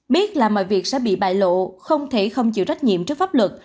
biết là mọi việc sẽ bị bại lộ không thể không chịu trách nhiệm trước pháp luật